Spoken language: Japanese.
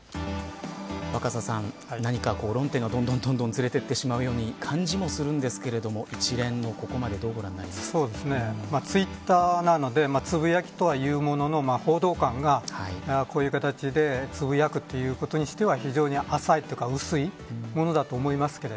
若狭さん、何か論点がどんどんずれていってしまうように感じもするんですが一連のここまでツイッターなのでつぶやきとはいうものの報道官がこういう形でつぶやくということにしては非常に浅いというか薄いものだと思います。